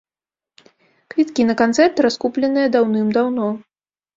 Квіткі на канцэрт раскупленыя даўным даўно.